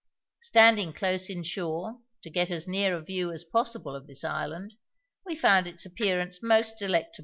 Standing close inshore, to get as near a view as possible of this island, we found its appearance most delectable.